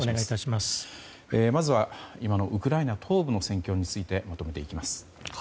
まずは、今のウクライナ東部の戦況についてまとめていきます。